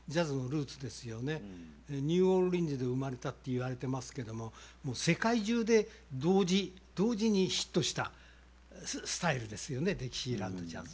ニューオーリンズで生まれたっていわれてますけどももう世界中で同時にヒットしたスタイルですよね。ディキシーランド・ジャズ。